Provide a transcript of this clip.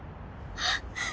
あっ！